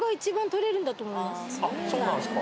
あそうなんすか。